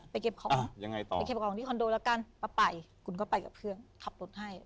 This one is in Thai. ไปเก็บของที่คอนโดละกันปะไปคุณก็ไปกับเพื่อนขับรถให้